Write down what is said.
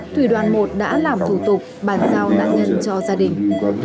thủy đoàn một đã làm thủ tục bàn giao nạn nhân cho gia đình